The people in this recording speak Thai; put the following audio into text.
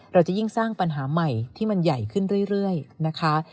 เราจะยิ่งสร้างปัญหาใหม่ที่มันใหญ่ขึ้นเรื่อยนะคะ